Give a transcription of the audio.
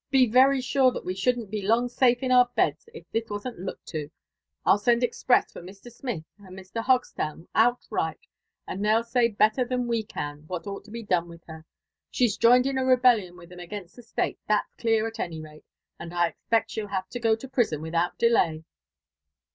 Be very sure that we shouldn't be long safe in our beds if this wasn't looked to. I'll send express for Mr. Smith and Mr. Hogstown outright, and they'll say better than we can what ought to be done with her. She's jpioed in a rebellion with 'em against the State, that's clear at any rate ; and I expect she'll have to go to prison without delay."